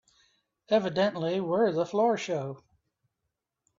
Evidently we're the floor show.